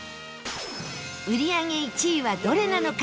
打ち上げ１位はどれなのか